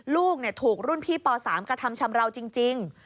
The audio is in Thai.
ลูกถูกรุ่นพี่ป๓กระทำชำราวจริง